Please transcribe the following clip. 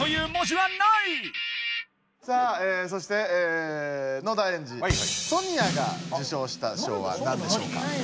さあそして野田エンジソニアが受賞した賞はなんでしょうか？